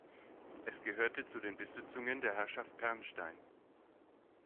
Es gehörte zu den Besitzungen der Herrschaft Pernstein.